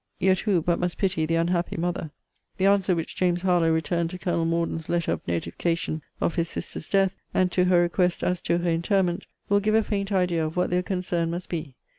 Yet who but must pity the unhappy mother? The answer which James Harlowe returned to Colonel Morden's letter of notification of his sister's death, and to her request as to her interment, will give a faint idea of what their concern must be.